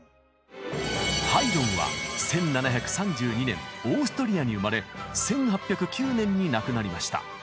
ハイドンは１７３２年オーストリアに生まれ１８０９年に亡くなりました。